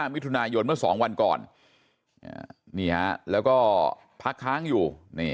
มิถุนายนเมื่อ๒วันก่อนแล้วก็พักค้างอยู่